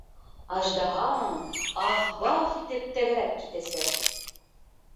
Аждаһаң «ахбах» итеп тәгәрәп китәсәк.